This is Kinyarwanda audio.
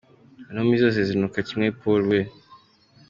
Intumbi zose zinuka kimwe Paul we !